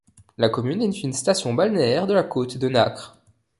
La commune est une station balnéaire de la Côte de Nacre.